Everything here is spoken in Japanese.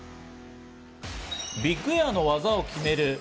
ビッグエアの技を決める